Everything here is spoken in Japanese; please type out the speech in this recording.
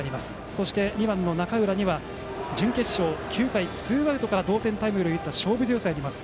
そして２番、中浦には準決勝、９回ツーアウトから同点タイムリーを打った勝負強さがあります。